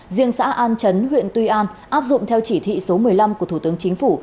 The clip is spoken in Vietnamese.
riêng xã an chấn huyện tuy an áp dụng theo chỉ thị số một mươi năm của thủ tướng chính phủ